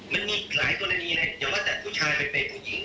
มันมีหลายตัวนี้เลยอย่างว่าแต่ผู้ชายไปเปย์ผู้หญิง